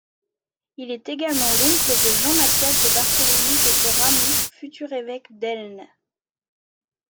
Il est également l'oncle de Jean-Mathias de Barthélemy de Gramont futur évêque d'Elne.